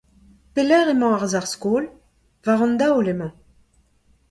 Pelec’h emañ ar sac'h-skol ? War an daol emañ.